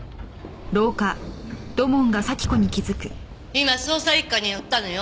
今捜査一課に寄ったのよ。